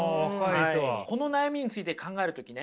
この悩みについて考える時ね